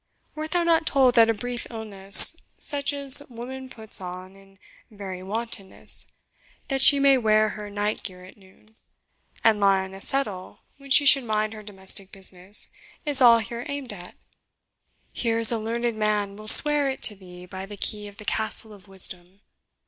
Wert thou not told that a brief illness, such as woman puts on in very wantonness, that she may wear her night gear at noon, and lie on a settle when she should mind her domestic business, is all here aimed at? Here is a learned man will swear it to thee by the key of the Castle of Wisdom."